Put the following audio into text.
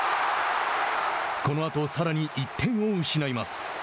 このあと、さらに１点を失います。